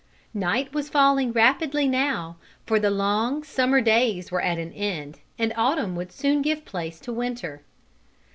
Night was falling rapidly now, for the long, summer days were at an end, and autumn would soon give place to winter.